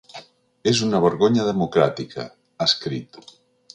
És una vergonya democràtica, ha escrit.